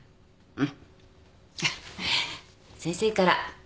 うん。